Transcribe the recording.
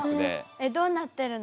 えっどうなってるの？